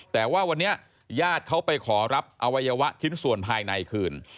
แต่ว่าวันนี้ญาติเขาไปขอรับอวัยวะชิ้นส่วนภายในคืน